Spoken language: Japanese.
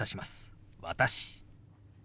「私」。